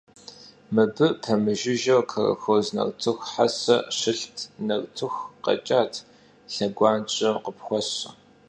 Mıbı pemıjjıjeu kolxoz nartıxu hese şılht, nartıxur kheç'at lheguajem khıpxuesu.